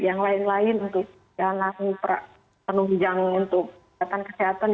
yang lain lain untuk jalan penunjang untuk kesehatan kesehatan